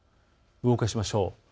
動かしましょう。